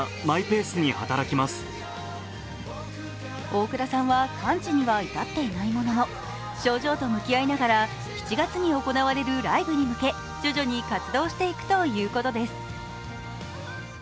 大倉さんは完治には至っていないものの症状と向き合いながら７月に行われるライブに向け徐々に活動していくということです。